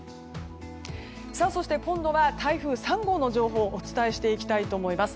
そして今度は台風３号の情報をお伝えしていきます。